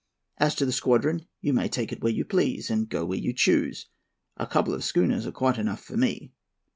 As to the squadron, you may take it where you please, and go where you choose. A couple of schooners are quite enough for me.'